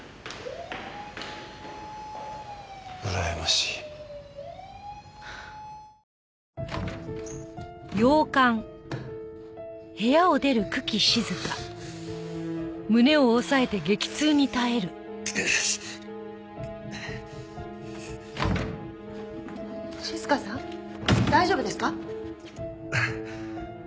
うらやましい。静さん大丈夫ですか？